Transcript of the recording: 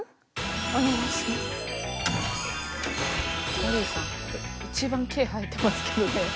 モーりーさん一番毛生えてますけどね。